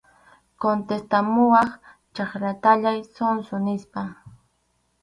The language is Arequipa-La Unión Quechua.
Contestamuwaq chakratayá, zonzo, nispa.